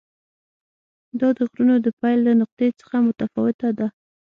دا د غرونو د پیل له نقطې څخه متفاوته ده.